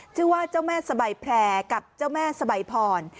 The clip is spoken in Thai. ชื่อว่าเจ้าแม่สบายแพร่กับเจ้าแม่สบายพร